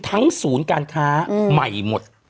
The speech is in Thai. ศูนย์การค้าใหม่หมด